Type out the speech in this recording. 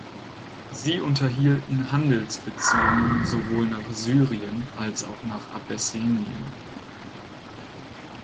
Sie unterhielten Handelsbeziehungen sowohl nach Syrien als auch nach Abessinien.